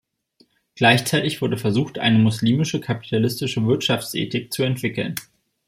Gleichzeitig wurde versucht, eine „muslimische kapitalistische Wirtschaftsethik“ zu entwickeln.